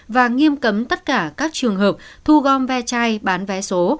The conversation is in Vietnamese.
và nghiêm cấm tất cả các trường hợp thu gom ve chai bán vé số